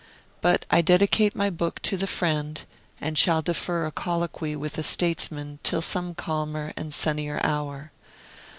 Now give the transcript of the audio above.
But I dedicate my book to the Friend, and shall defer a colloquy with the Statesman till some calmer and sunnier hour.